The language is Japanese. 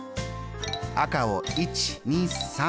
赤を１２３。